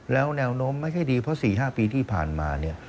แล้วแนวโน้มไม่ค่อยดีเพราะ๔๕ปีที่ผ่านมา